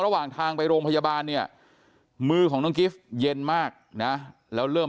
ระหว่างทางไปโรงพยาบาลเนี่ยมือของน้องกิฟต์เย็นมากนะแล้วเริ่ม